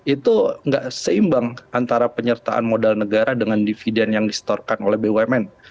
itu nggak seimbang antara penyertaan modal negara dengan dividen yang disetorkan oleh bumn